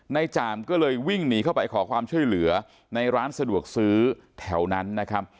จ่ามก็เลยวิ่งหนีเข้าไปขอความช่วยเหลือในร้านสะดวกซื้อแถวนั้นนะครับ